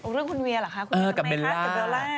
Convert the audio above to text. เรื่องคุณเวียมั้ยคุณเวียกับเบลล่า